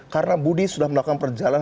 karena budi sudah melakukan perjalanan